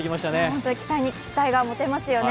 本当に期待が持てますよね。